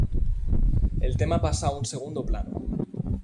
El tema pasa a un segundo plano.